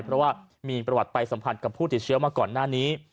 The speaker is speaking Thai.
เพราะว่ามีประวัติไปสัมผัสกับผู้ติดเชื้อมาก่อนหน้านี้